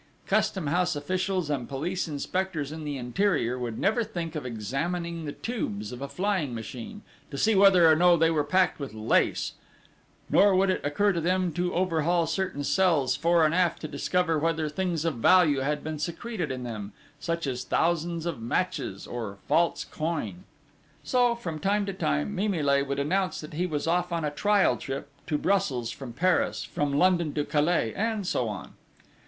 Custom house officials and police inspectors in the interior would never think of examining the tubes of a flying machine, to see whether or no they were packed with lace; nor would it occur to them to overhaul certain cells fore and aft to discover whether things of value had been secreted in them, such as thousands of matches or false coin. So, from time to time, Mimile would announce that he was off on a trial trip to Brussels from Paris, from London to Calais, and so on.